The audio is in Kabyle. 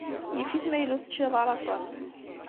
Yif-it ma yella ur teččiḍ ara aṭas.